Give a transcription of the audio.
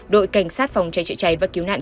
đội cảnh sát phòng cháy chữa cháy và cứu nạn